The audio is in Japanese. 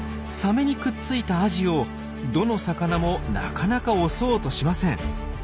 サメにくっついたアジをどの魚もなかなか襲おうとしません。